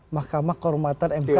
mahkamah kehormatan mk